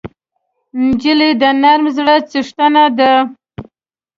نجلۍ د نرم زړه څښتنه ده.